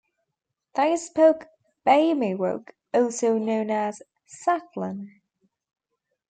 They spoke "Bay Miwok" also known as "Saclan".